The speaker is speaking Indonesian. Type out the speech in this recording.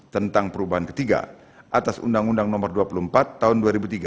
tentang perubahan ketiga atas undang undang nomor dua puluh empat tahun dua ribu tiga